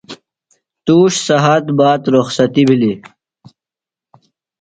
تُوش سھات باد رخصتیۡ بِھلیۡ۔